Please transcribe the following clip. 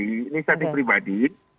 ini inisiatif pribadi